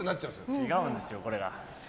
違うんですよ、これが。